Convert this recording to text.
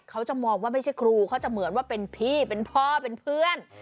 เขาจะมองว่าไม่ใช่ครูเขาจะเหมือนว่าเป็นพี่เป็นพ่อเป็นเพื่อน